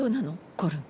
コルン。